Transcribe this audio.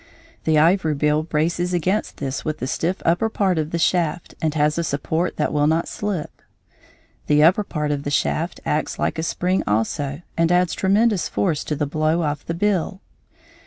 The ivory bill braces against this with the stiff upper part of the shaft and has a support that will not slip. The upper part of the shaft acts like a spring also, and adds tremendous force to the blow of the bill.